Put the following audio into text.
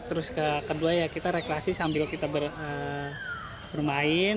terus kedua ya kita rekreasi sambil kita bermain